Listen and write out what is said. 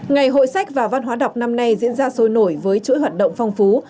ngày hội sách và văn hóa đọc năm nay diễn ra sôi nổi với chuỗi hoạt động phong phú